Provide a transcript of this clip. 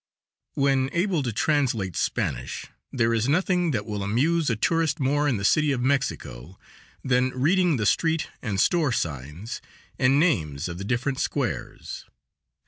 When able to translate Spanish, there is nothing that will amuse a tourist more in the City of Mexico than reading the street and store signs and names of the different squares.